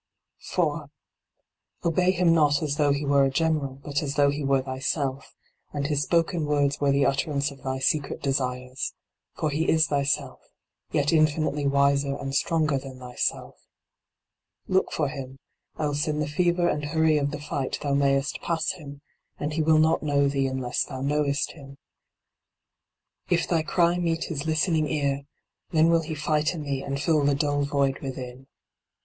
4. Obey him not as though he were a general, but as though he were thyself, and his spoken words were the utterance of thy secret desires ; for he is thyself, yet infinitely wiser and stronger than thyself. Look for him, else in the fever and hurry of the fight thou mayest pass him ; and he will not know thee unless thou knowest him. If thy cry meet his listening ear, then will he fight in thee and fill the dull void within.